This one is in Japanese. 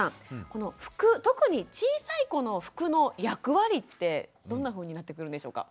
この服特に小さい子の服の役割ってどんなふうになってくるんでしょうか。